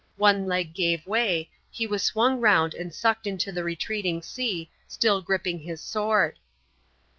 One leg gave way, he was swung round and sucked into the retreating sea, still gripping his sword.